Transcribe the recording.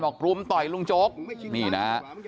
บอกปรุ้มต่อยลุงจกนี่นะ